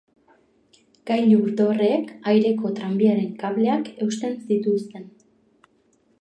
Gailur-dorreek aireko tranbiaren kableak eusten zituzten.